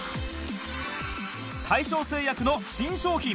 大正製薬の新商品